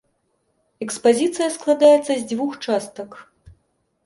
Экспазіцыя складаецца з дзвюх частак.